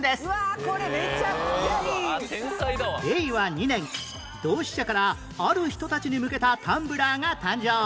令和２年ドウシシャからある人たちに向けたタンブラーが誕生